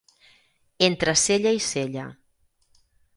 Entre cella i cella.